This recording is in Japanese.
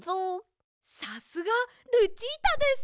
さすがルチータです！